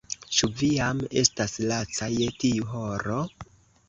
Ĉu vi jam estas laca je tiu horo?